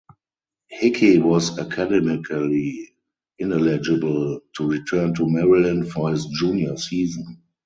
Hickey was academically ineligible to return to Maryland for his junior season.